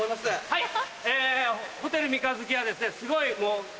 はいホテル三日月はですね